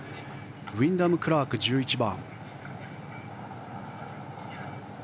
ウィンダム・クラーク１１番。